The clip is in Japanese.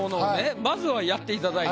まずはやっていただいて。